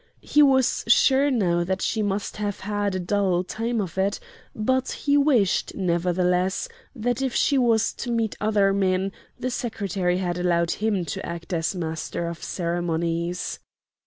He was sure now that she must have had a dull time of it; but he wished, nevertheless, that if she was to meet other men, the Secretary had allowed him to act as master of ceremonies.